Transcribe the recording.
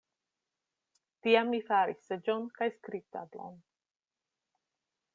Tiam mi faris seĝon kaj skribtablon.